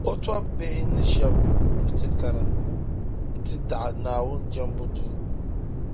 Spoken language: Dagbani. O tɔbbihi ni shɛb’ ni ti kana ti daɣi Naawuni jɛmbu duu.